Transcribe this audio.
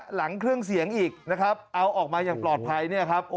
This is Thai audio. หลังเครื่องเสียงอีกนะครับเอาออกมาอย่างปลอดภัยเนี่ยครับ